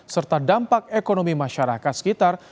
serta dampak ekonomi masyarakat sekitar